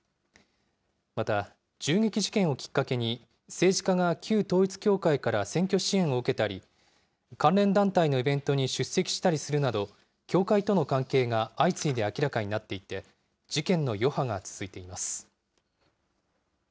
また、銃撃事件をきっかけに政治家が旧統一教会から選挙支援を受けたり、関連団体のイベントに出席したりするなど、教会との関係が相次いで明らかになっていて、事件の余波が続いています。